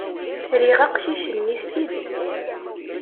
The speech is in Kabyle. Riɣ aqcic-nni s tidet.